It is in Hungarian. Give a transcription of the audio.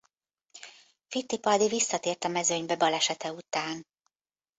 Fittipaldi visszatért a mezőnybe balesete után.